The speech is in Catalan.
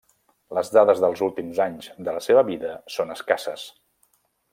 Les dades dels últims anys de la seva vida són escasses.